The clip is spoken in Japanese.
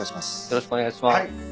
よろしくお願いします。